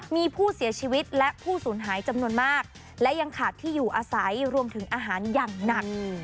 มีผู้เสียชีวิตและผู้สูญหายจำนวนมากและยังขาดที่อยู่อาศัยรวมถึงอาหารอย่างหนัก